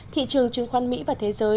thị trường chứng khoan mỹ và thế giới